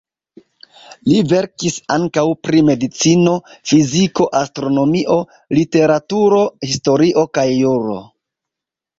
Li verkis ankaŭ pri medicino, fiziko, astronomio, literaturo, historio kaj juro.